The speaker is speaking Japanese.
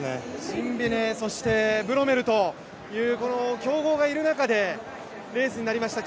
シンビネ、ブロメルという強豪がいる中でのレースとなりました。